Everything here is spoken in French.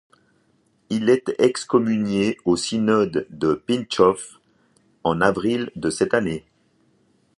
Il est excommunié au synode de Pińczów en avril de cette année.